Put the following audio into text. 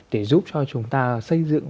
để giúp cho chúng ta xây dựng